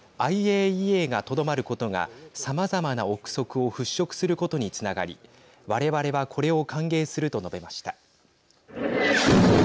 ＩＡＥＡがとどまることがさまざまな憶測を払拭することにつながり我々はこれを歓迎すると述べました。